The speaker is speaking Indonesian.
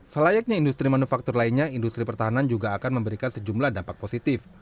selayaknya industri manufaktur lainnya industri pertahanan juga akan memberikan sejumlah dampak positif